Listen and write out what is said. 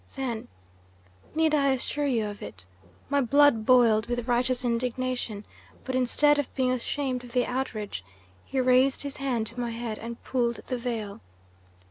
Then need I assure you of it? my blood boiled with righteous indignation; but instead of being ashamed of the outrage, he raised his hand to my head and pulled the veil.